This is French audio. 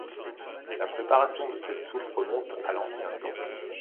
La préparation de cette soupe remonte à l'ancien temps.